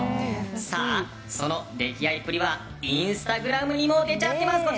その溺愛っぷりはインスタグラムにも出ちゃっています。